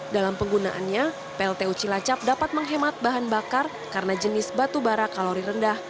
dalam penggunaannya plt uci lacap dapat menghemat bahan bakar karena jenis batu bara kalori rendah